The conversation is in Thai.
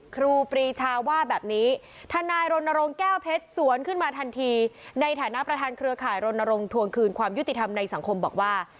ครูปรีชาว่าแบบนี้ทนายรณรงค์แก้วเพชรสวนขึ้นมาทันทีในฐานะประธานเครือข่ายรณรงค์ทวงคืนความยุติธรรมในสังคมบอกว่า